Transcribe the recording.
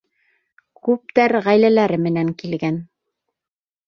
Күптәр ғаиләләре менән килгән.